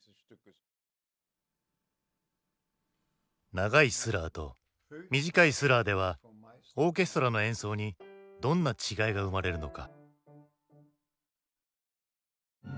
長いスラーと短いスラーではオーケストラの演奏にどんな違いが生まれるのか？